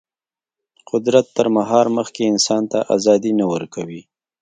قدرت تر مهار مخکې انسان ته ازادي نه ورکوي.